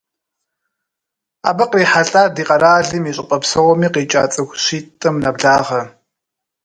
Абы кърихьэлӏат ди къэралым и щӏыпӏэ псоми къикӏа цӏыху щитӏым нэблагъэ.